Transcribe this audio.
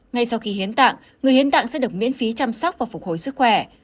ngay sau khi hiến tạng người hiến tạng sẽ được miễn phí chăm sóc và phục hồi sức khỏe